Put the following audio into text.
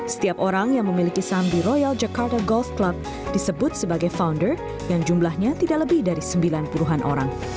setiap orang yang memiliki saham di royal jakarta golf club disebut sebagai founder yang jumlahnya tidak lebih dari sembilan puluh an orang